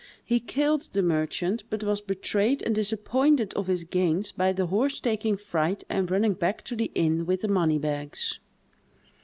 He killed the merchant, but was betrayed, and disappointed of his gains, by the horse taking fright and running back to the inn with the money bags.